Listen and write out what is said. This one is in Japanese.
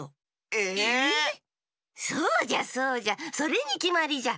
え⁉そうじゃそうじゃそれにきまりじゃ。